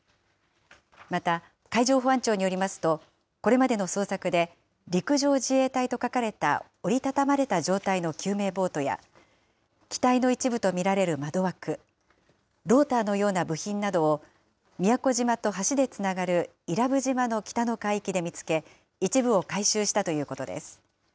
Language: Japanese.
また、海上保安庁によりますと、これまでの捜索で、陸上自衛隊と書かれた折り畳まれた状態の救命ボートや機体の一部と見られる窓枠、ローターのような部品などを宮古島と橋でつながる伊良部島の北の海域で見つけ、一部を回収したということです。